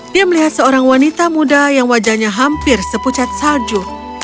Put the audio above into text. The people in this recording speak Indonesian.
dia melihat seorang wanita muda yang wajahnya hampir sepucat salju